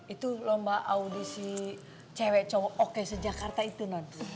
itu lomba audisi cewek cowok oke sejak kata itu nan